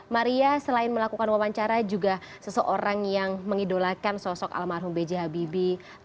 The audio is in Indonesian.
maria selain melakukan wawancara juga seseorang yang mengidolakan sosok almarhum b j habibie